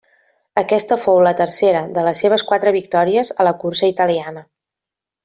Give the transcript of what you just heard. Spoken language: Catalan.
Aquesta fou la tercera de les seves quatre victòries a la cursa italiana.